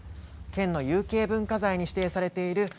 県の有形文化財に指定されている